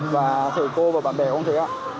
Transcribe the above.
và thầy cô và bạn bè cũng thế